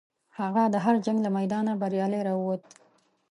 هغه د هر جنګ له میدانه بریالی راووت.